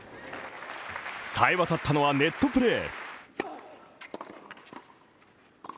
さえ渡ったはネットプレー。